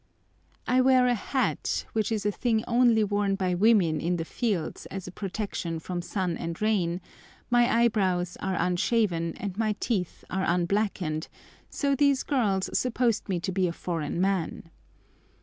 I wear a hat, which is a thing only worn by women in the fields as a protection from sun and rain, my eyebrows are unshaven, and my teeth are unblackened, so these girls supposed me to be a foreign man.